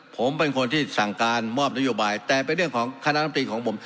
ผมเป็นคนที่สั่งการมอบนโยบายแต่เป็นเรื่องของคณะลำตรีของผม